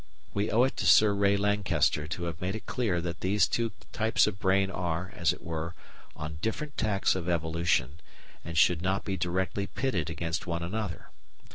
We owe it to Sir Ray Lankester to have made it clear that these two types of brain are, as it were, on different tacks of evolution, and should not be directly pitted against one another.